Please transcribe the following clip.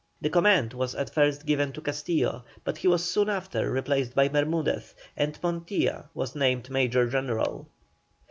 The command was at first given to Castillo, but he was soon after replaced by Bermudez, and Montilla was named Major General.